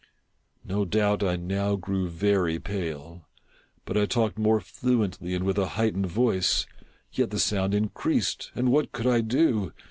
No doubt I now grew very pale ;— but I talked more fluently, and with a heightened voice. Yet the sound in creased— and what could I do